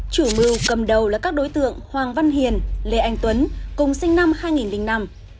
chủ mưu cầm đầu là các đối tượng hoàng văn hiền lê anh tuấn cùng sinh năm hai nghìn năm